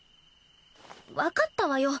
分かったわよ。